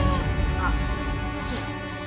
あっそや。